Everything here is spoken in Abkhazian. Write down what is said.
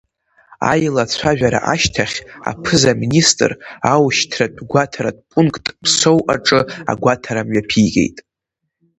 Аилацәажәара ашьҭахь, аԥыза-министр аушьҭратә-гәаҭаратә пункт Ԥсоу аҿы агәаҭара мҩаԥигеит.